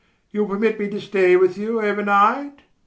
You will permit me to stay with you over night?